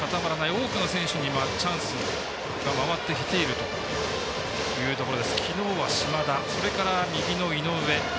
多くの選手にチャンスが回ってきているというところで昨日は島田それから右の井上。